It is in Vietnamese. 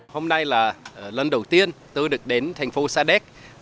hôm nay là lần đầu tiên tôi được đến thành phố sa đéc